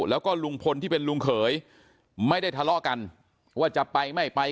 แล้วก็ลุงพลที่เป็นลุงเขยไม่ได้ทะเลาะกันว่าจะไปไม่ไป